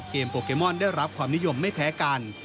โปเกมอนได้รับความนิยมไม่แพ้กัน